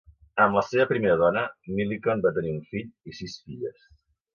Amb la seva primera dona, Milliken va tenir un fill i sis filles.